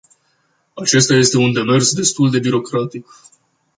Acesta este un demers destul de birocratic.